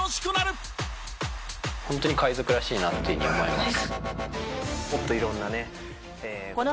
ホントに海賊らしいなっていうふうに思います。